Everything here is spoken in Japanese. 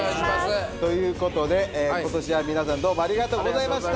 ということで今年は皆さんどうもありがとうございました。